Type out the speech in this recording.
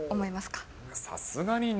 さすがにね。